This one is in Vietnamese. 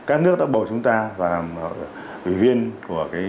các nước đã bỏ chúng ta vào làm ủy viên của